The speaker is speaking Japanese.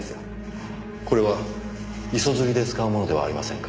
これは磯釣りで使うものではありませんか？